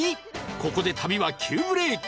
ここで旅は急ブレーキ